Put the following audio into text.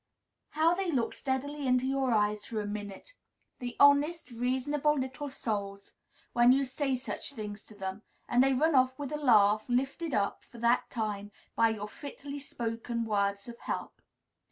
How they look steadily into your eyes for a minute, the honest, reasonable little souls! when you say such things to them; and then run off with a laugh, lifted up, for that time, by your fitly spoken words of help.